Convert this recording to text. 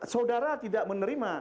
saudara tidak menerima